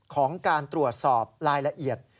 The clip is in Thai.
ของการตรวจสอบรายละเอียด